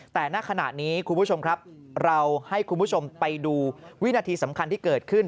แต่ณขณะนี้คุณผู้ชมครับเราให้คุณผู้ชมไปดูวินาทีสำคัญที่เกิดขึ้น